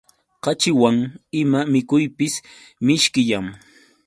Kaćhiwan ima mikuypis mishkillam.